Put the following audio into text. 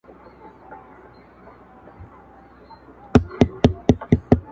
تک سپين کالي کړيدي~